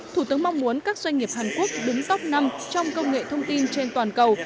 thủ tướng mong muốn các doanh nghiệp hàn quốc đứng top năm trong công nghệ thông tin trên toàn cầu